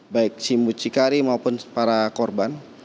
baik si mucikari maupun para korban